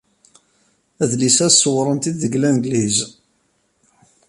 Adlis-a sewren-t-id deg Langliz.